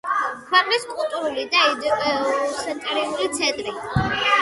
ქვეყნის კულტურული და ინდუსტრიული ცენტრი.